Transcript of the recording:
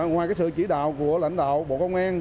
ngoài sự chỉ đạo của lãnh đạo bộ công an